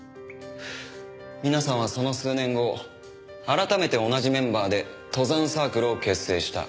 皆さんはその数年後改めて同じメンバーで登山サークルを結成した。